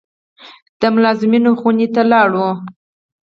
د ملازمینو خونې ته لاړو.